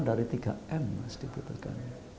tiga m yang harus dibutuhkan